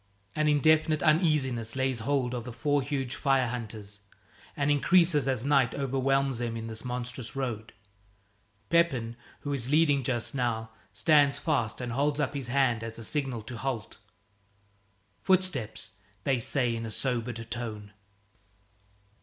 An indefinite uneasiness lays hold of the four huge fire hunters, and increases as night overwhelms them in this monstrous road. Pepin, who is leading just now, stands fast and holds up his hand as a signal to halt. "Footsteps," they say in a sobered tone.